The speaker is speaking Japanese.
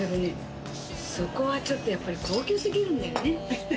そこはちょっと高級過ぎるんだよね。